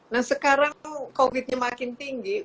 nah sekarang tuh covidnya makin tinggi